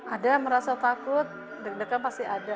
ada yang merasa takut dekat dekat pasti ada